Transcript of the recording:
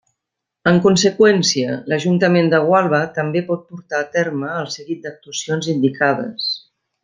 En conseqüència, l'Ajuntament de Gualba també pot portar a terme el seguit d'actuacions indicades.